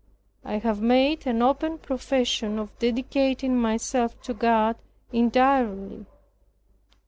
I have made an open profession of dedicating myself to God entirely.